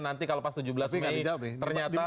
nanti kalau pas tujuh belas mei ternyata